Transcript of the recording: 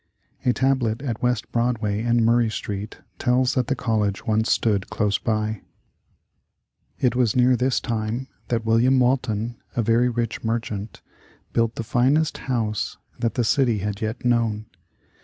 A tablet at West Broadway and Murray Street tells that the college once stood close by. It was near this time that William Walton, a very rich merchant, built the finest house that the city had yet known.